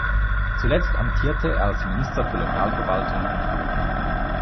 Zuletzt amtierte er als Minister für Lokalverwaltung und Wohnung.